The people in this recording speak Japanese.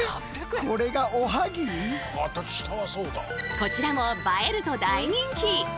こちらも映えると大人気！